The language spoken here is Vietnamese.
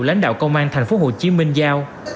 lãnh đạo công an thành phố hồ chí minh giao